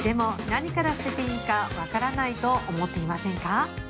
何から捨てていいか分からないと思っていませんか？